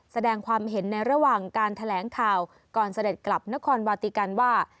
แสดงความเห็นในระหว่างการแถลงข่าวก่อนเสด็จกลับนครวาติกันว่า